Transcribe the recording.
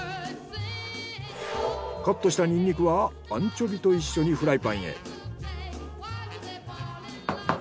カットしたニンニクはアンチョビと一緒にフライパンへ。